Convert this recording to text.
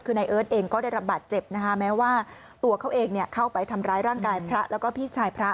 คือนายเอิร์ทเองก็ได้รับบาดเจ็บนะคะแม้ว่าตัวเขาเองเข้าไปทำร้ายร่างกายพระแล้วก็พี่ชายพระ